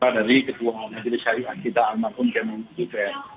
dari ketua majelis hayu akita almarhum kemeng jvs